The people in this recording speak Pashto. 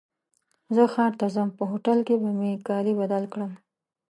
زه ښار ته ځم په هوټل کي به مي کالي بدل کړم.